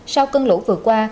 sau cân lũ vừa qua